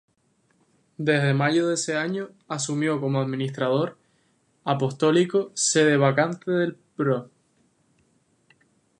Desde mayo de ese año asumió como Administrador Apostólico sede vacante el Pbro.